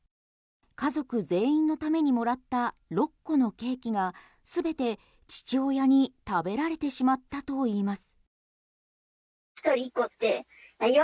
家族全員のためにもらった６個のケーキが全て父親に食べられてしまったといいます。